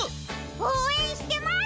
おうえんしてます！